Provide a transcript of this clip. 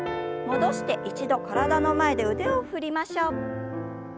戻して一度体の前で腕を振りましょう。